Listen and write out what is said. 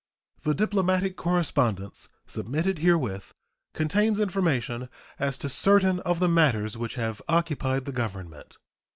The diplomatic correspondence submitted herewith contains information as to certain of the matters which have occupied the Government.